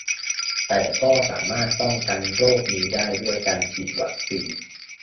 แต่ก็สามารถป้องกันโรคนี้ได้ด้วยการฉีดวัคซีน